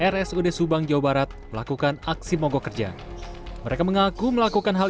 rsud subang jawa barat melakukan aksi mogok kerja mereka mengaku melakukan hal